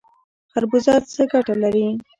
خربوزه څه ګټه لري؟